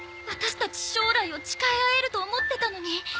ワタシたち将来を誓い合えると思ってたのに。